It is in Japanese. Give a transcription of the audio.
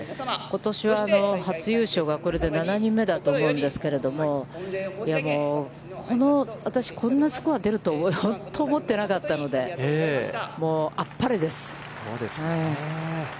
ことしは、初優勝がこれで７人目だと思うんですけれども、私、こんなスコアが出るとは、本当思ってなかったので、あっぱれです。